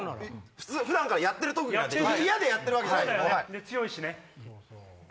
普段からやってる特技で嫌でやってるわけじゃないんで。